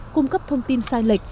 cung cấp thông tin sai lệch